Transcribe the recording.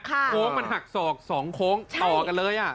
ค่ะโค้งมันหักสอกสองโค้งใช่ต่อกันเลยอ่ะ